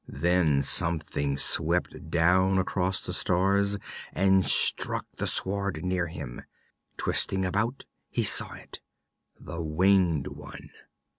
Then something swept down across the stars and struck the sward near him. Twisting about, he saw it _the winged one!